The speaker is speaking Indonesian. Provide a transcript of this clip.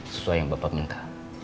sesuai yang bapak minta